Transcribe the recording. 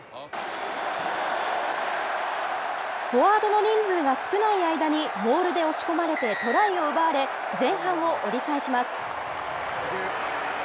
フォワードの人数が少ない間に、モールで押し込まれてトライを奪われ、前半を折り返します。